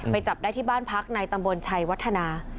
จับได้ที่บ้านพักในตำบลชัยวัฒนา